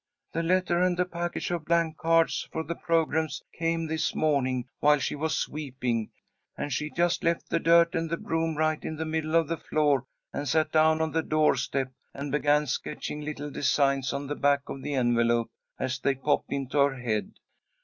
"The letter and the package of blank cards for the programmes came this morning while she was sweeping, and she just left the dirt and the broom right in the middle of the floor, and sat down on the door step and began sketching little designs on the back of the envelope, as they popped into her head.